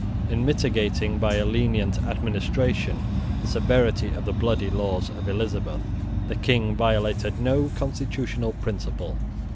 In mitigating by a lenient administration the severity of the bloody laws of Elizabeth, the King violated no constitutional principle.